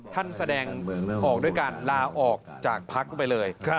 แสดงออกด้วยการลาออกจากพักไปเลย